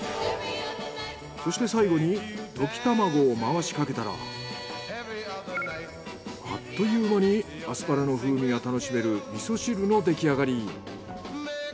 そして最後に溶き卵を回しかけたらあっという間にアスパラの風味が楽しめる味噌汁の出来上がり。